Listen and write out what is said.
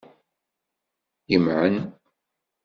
Yemɛen.